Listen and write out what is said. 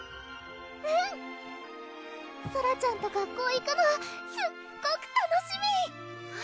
うんソラちゃんと学校行くのすっごく楽しみ！